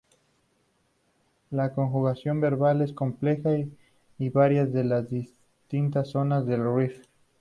La conjugación verbal es compleja y varía en las distintas zonas del Rif.